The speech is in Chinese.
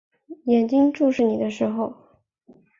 眼睛注视你的时候